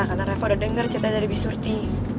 karena reva udah denger cerita dari di surti